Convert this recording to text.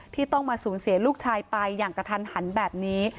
ที่ต้องมาสูญเสียลูกชายไปอย่างกระทันหันแบบนี้